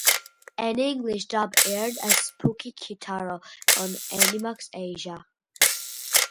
An English dub aired as Spooky Kitaro on Animax Asia.